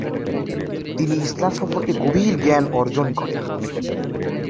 তিনি ইসলাম সম্পর্কে গভীর জ্ঞান অর্জন করেন।